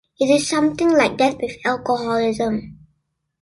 It is something like that with alcoholism.